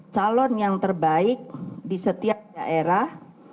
calon yang terbaik di setiap daerah